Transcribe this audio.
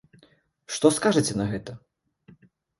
Што скажаце на гэта?